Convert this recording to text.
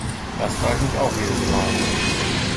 Das frage ich mich auch jedes Mal.